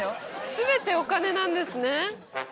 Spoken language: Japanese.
全てお金なんですね。